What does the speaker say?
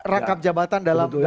rangkap jabatan dalam